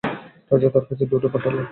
রাজা তার কাছে দূত পাঠাল।